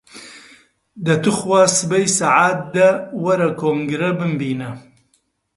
دە توخوا سبەی سەعات دە، وەرە کۆنگرە بمبینە!